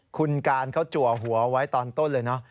คุณการเขาจัวหัวไว้ตอนต้นเลยเนอะ